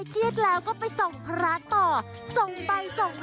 ขอตังค์หน่อยขอตังค์หน่อยครับ